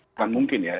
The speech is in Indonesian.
bukan mungkin ya